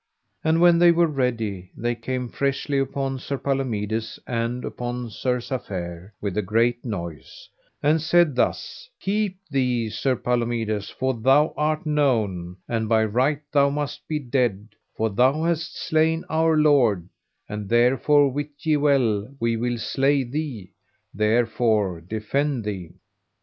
And when they were ready they came freshly upon Sir Palomides and upon Sir Safere with a great noise, and said thus: Keep thee, Sir Palomides, for thou art known, and by right thou must be dead, for thou hast slain our lord; and therefore wit ye well we will slay thee, therefore defend thee.